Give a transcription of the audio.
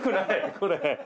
これ。